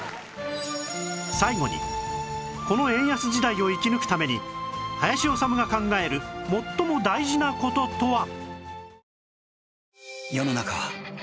最後にこの円安時代を生き抜くために林修が考える最も大事な事とは？